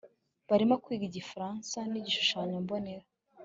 barimo kwiga igifaransa nu gishushanyo mbonera